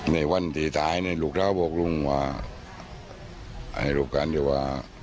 ในวันที่ตายเนี่ยลูกชาวบอกลุงว่าไอ้ลูกการเดี๋ยวว่า